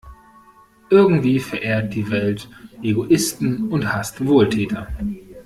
Irgendwie verehrt die Welt Egoisten und hasst Wohltäter.